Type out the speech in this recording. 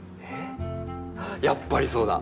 やっぱりそうだ。